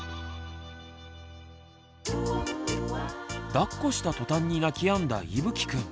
だっこしたとたんに泣きやんだいぶきくん。